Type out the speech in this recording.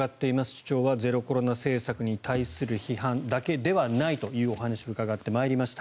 主張はゼロコロナ政策に対する批判だけではないというお話を伺ってまいりました。